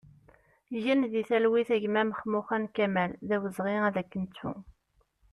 Gen di talwit a gma Maxmuxen Kamal, d awezɣi ad k-nettu!